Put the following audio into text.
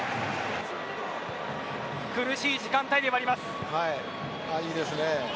苦しい時間帯ではあります。